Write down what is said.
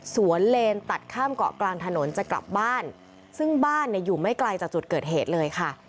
เลนตัดข้ามเกาะกลางถนนจะกลับบ้านซึ่งบ้านเนี่ยอยู่ไม่ไกลจากจุดเกิดเหตุเลยค่ะ